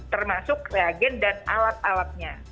termasuk reagen dan alat alatnya